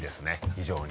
非常に。